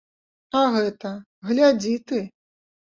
А гэта, глядзі ты!